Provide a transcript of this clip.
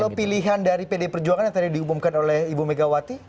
atau pilihan dari pd perjuangan yang tadi diumumkan oleh ibu megawati